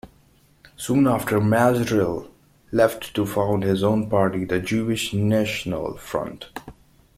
Soon after Marzel left to found his own party, the Jewish National Front.